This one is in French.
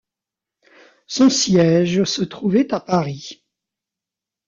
Son siège se trouvait à Paris.